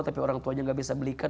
tapi orang tuanya nggak bisa belikan